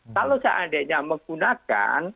kalau seandainya menggunakan